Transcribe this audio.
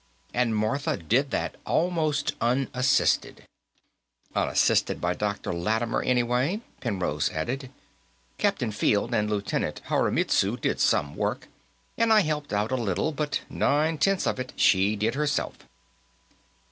"And Martha did that almost unassisted." "Unassisted by Dr. Lattimer, anyway," Penrose added. "Captain Field and Lieutenant Koremitsu did some work, and I helped out a little, but nine tenths of it she did herself."